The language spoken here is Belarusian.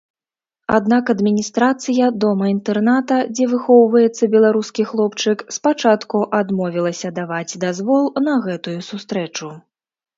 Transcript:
Аднак адміністрацыя дома-інтэрната, дзе выхоўваецца беларускі хлопчык, спачатку адмовілася даваць дазвол на гэтую сустрэчу.